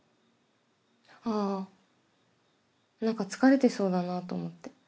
ああなんか疲れてそうだなと思って。